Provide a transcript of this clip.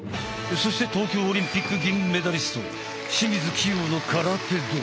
そして東京オリンピック銀メダリスト清水希容の空手道。